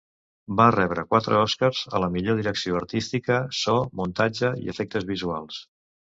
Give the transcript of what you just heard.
Va rebre quatre Oscars: a la millor direcció artística, so, muntatge i efectes visuals.